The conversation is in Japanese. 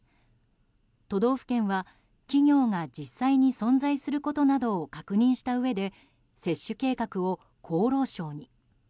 都道府県は企業が実際に存在することなどを確認したうえで接種計画を厚労省に。